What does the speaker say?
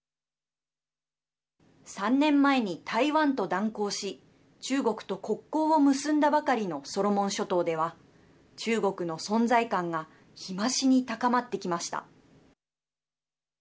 ３年前に台湾と断交し中国と国交を結んだばかりのソロモン諸島では中国の存在感が日増しに高まってきました。